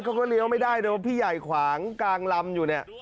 เขาก็เลี้ยวไม่ได้แต่ว่าพี่ใหญ่ขวางกลางลำอยู่เนี่ย